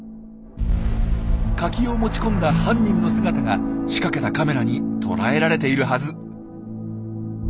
カキを持ち込んだ犯人の姿が仕掛けたカメラにとらえられているはず。